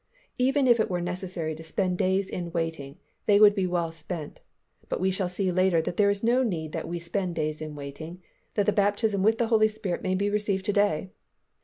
Even if it were necessary to spend days in waiting, they would be well spent, but we shall see later that there is no need that we spend days in waiting, that the baptism with the Holy Spirit may be received to day.